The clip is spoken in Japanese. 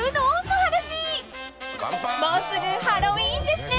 ［もうすぐハロウィーンですね］